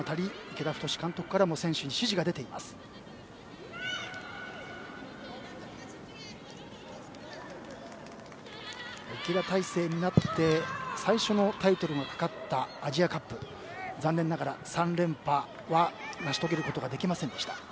池田体制になって最初のタイトルがかかったアジアカップでは残念ながら３連覇は成し遂げることができませんでした。